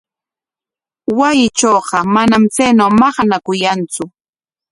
Wasiitrawqa manam chaynaw maqanakuyantsu.